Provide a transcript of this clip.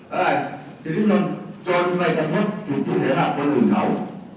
อะไรสิ่งที่มันจนไปกระทบถูกเฉพาะคนอื่นเขา